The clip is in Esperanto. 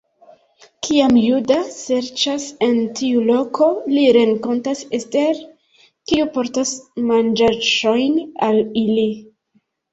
Kiam Juda serĉas en tiu loko, li renkontas Ester, kiu portas manĝaĵon al ili.